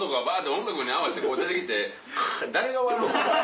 音楽に合わしてこう出てきてカーッ！